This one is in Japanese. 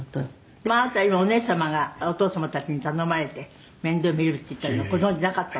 「でもあなた今お姉様がお父様たちに頼まれて面倒見るって言ったのご存じなかったの？」